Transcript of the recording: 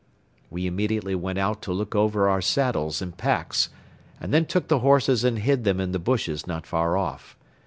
We immediately went out to look over our saddles and packs and then took the horses and hid them in the bushes not far off.